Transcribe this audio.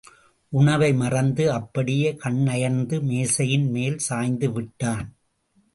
உணவை மறந்து அப்படியே கண்ணயர்ந்த மேசையின் மேல் சாய்ந்து விட்டான்.